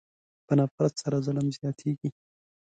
په نفرت سره ظلم زیاتېږي.